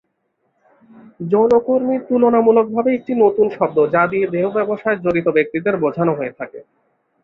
যৌনকর্মী তুলনামূলকভাবে একটি নতুন শব্দ যা দিয়ে দেহব্যবসায় জড়িত ব্যক্তিদের বোঝানো হয়ে থাকে।